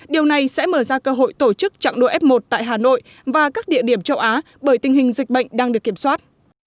điều này sẽ mở ra cơ hội tổ chức chặng đua f một tại hà nội và các địa điểm châu á bởi tình hình dịch bệnh đang được kiểm soát